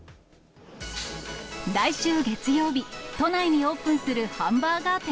来週月曜日、都内にオープンするハンバーガー店。